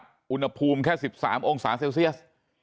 อุณหภูมิแค่๑๓องศาเซลเซียส